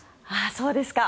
そうですか。